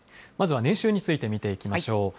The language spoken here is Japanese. まずは年収について見ていきましょう。